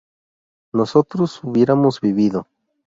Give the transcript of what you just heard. nosotros hubiéramos vivido